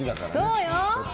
そうよ！